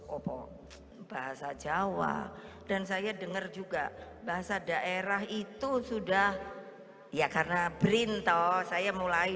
kopo bahasa jawa dan saya dengar juga bahasa daerah itu sudah ya karena berinto saya mulai